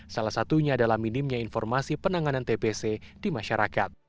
salah satunya adalah minimnya informasi penanganan tbc di masyarakat